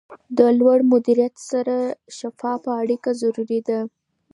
د لوړ مدیریت سره شفافه اړیکه ضروري ده.